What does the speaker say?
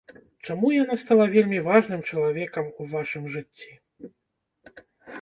Чаму яна стала вельмі важным чалавекам у вашым жыцці?